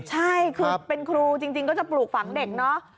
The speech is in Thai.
ใช่คือเป็นครูจริงก็จะปลูกฝังเด็กเนอะ